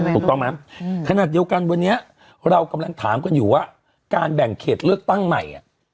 ถูกต้องไหมขนาดเดียวกันวันนี้เรากำลังถามกันอยู่ว่าการแบ่งเขตเลือกตั้งใหม่